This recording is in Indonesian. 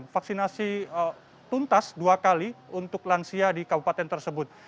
vaksinasi tuntas dua kali untuk lansia di kabupaten tersebut